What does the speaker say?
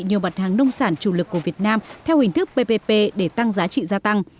nhiều mặt hàng nông sản chủ lực của việt nam theo hình thức ppp để tăng giá trị gia tăng